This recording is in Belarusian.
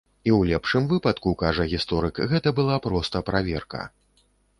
І ў лепшым выпадку, кажа гісторык, гэта была проста праверка.